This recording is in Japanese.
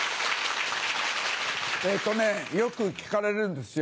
えっとねよく聞かれるんですよ。